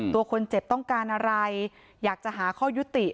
ตัวคนเจ็บต้องการอะไรอยากจะหาข้อยุติ